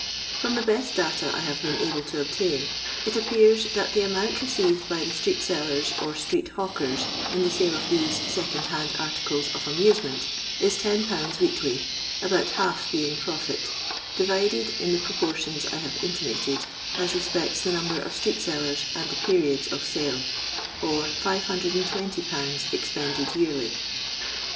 From the best data I have been able to obtain it appears that the amount received by the street sellers or street hawkers in the sale of these second hand articles of amusement is 10/. weekly, about half being profit, divided in the proportions I have intimated, as respects the number of street sellers and the periods of sale ; or 520/. expended yearly.